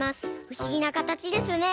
ふしぎなかたちですね。